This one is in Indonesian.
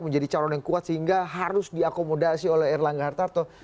menjadi calon yang kuat sehingga harus diakomodasi oleh erlangga hartarto